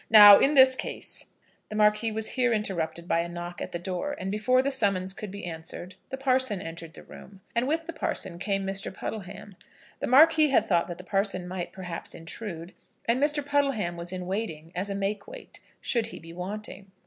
Now, in this case " The Marquis was here interrupted by a knock at the door, and, before the summons could be answered, the parson entered the room. And with the parson came Mr. Puddleham. The Marquis had thought that the parson might, perhaps, intrude; and Mr. Puddleham was in waiting as a make weight, should he be wanting.